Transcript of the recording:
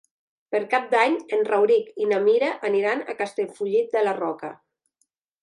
Per Cap d'Any en Rauric i na Mira aniran a Castellfollit de la Roca.